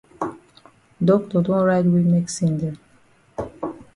Doctor don write we medicine dem.